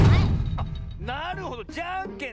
あっなるほどじゃんけんね。